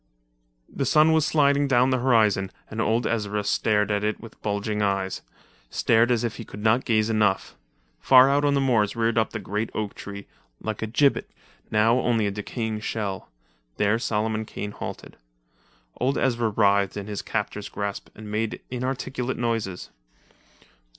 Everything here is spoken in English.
The sun was sliding down the horizon and old Ezra stared at it with bulging eyes—stared as if he could not gaze enough. Far out on the moors geared up the great oak tree, like a gibbet, now only a decaying shell. There Solomon Kane halted. Old Ezra writhed in his captor's grasp and made inarticulate noises.